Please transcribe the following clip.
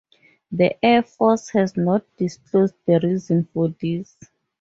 The Air Force has not disclosed the reason for this.